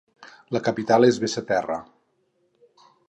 La capital és Basseterre.